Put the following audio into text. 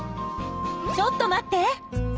ちょっと待って。